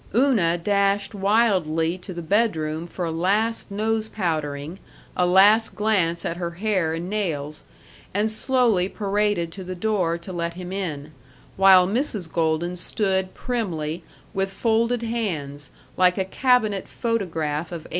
Una dashed wildly to the bedroom for a last nose powdering, a last glance at her hair and nails, and slowly paraded to the door to let him in, while Mrs. Golden stood primly, with folded hands, like a cabinet photograph of 1885.